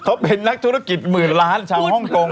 เขาเป็นนักธุรกิจหมื่นล้านชาวฮ่องกง